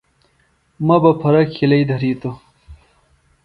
مہ بہ پھرہ کِھلئیۡ دھرِیتوۡ